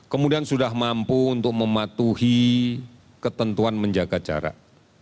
kemudian sudah mampu untuk mematuhi ketentuan menjaga jarak